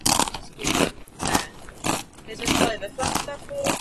To umožnilo neapolské armádě pokračovat v postupu.